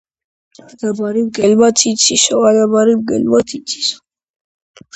ანაბარი მგელმაც იცისოანაბარი მგელმაც იცისო